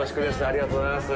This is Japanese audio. ありがとうございます。